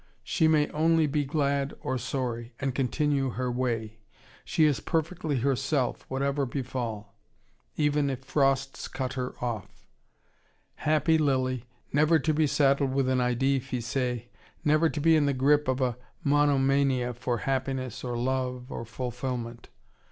She may only be glad or sorry, and continue her way. She is perfectly herself, whatever befall! even if frosts cut her off. Happy lily, never to be saddled with an idee fixe, never to be in the grip of a monomania for happiness or love or fulfilment.